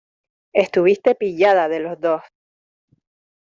estuviste pillada de los dos.